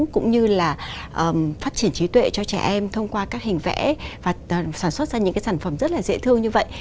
cũng như là phát triển trí tuệ cho trẻ em thông qua các hình vẽ và sản xuất ra những cái sản phẩm rất là dễ thương như vậy